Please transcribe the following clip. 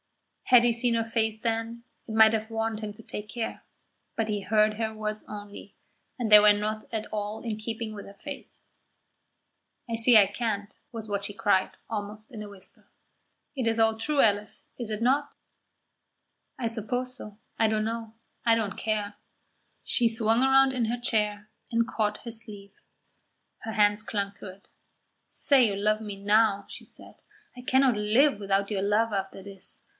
Had he seen her face then, it might have warned him to take care; but he heard her words only, and they were not at all in keeping with her face. "I see I can't," was what she cried, almost in a whisper. "It is all true, Alice, is it not?" "I suppose so. I don't know; I don't care." She swung round in her chair and caught his sleeve. Her hands clung to it. "Say you love me now," she said. "I cannot live without your love after this.